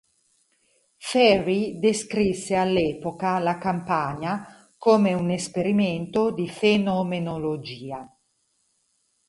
Fairey descrisse all'epoca la campagna come "un esperimento di fenomenologia".